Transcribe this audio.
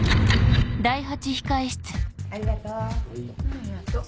ありがとう。